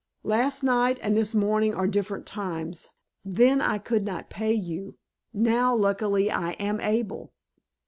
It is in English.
"Last night and this morning are different times. Then I could not pay you; now, luckily, I am able.